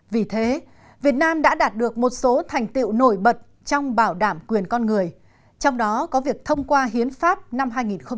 vì thế việt nam đã đạt được một số thành tiệu nổi bật trong bảo đảm quyền con người trong đó có việc thông qua hiến pháp năm hai nghìn một mươi ba